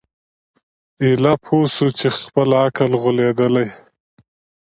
ایله پوه سو په خپل عقل غولیدلی